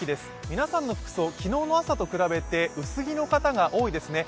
皆さんの服装、昨日と比べて薄着の方が多いですね。